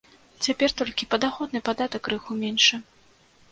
Цяпер толькі падаходны падатак крыху меншы.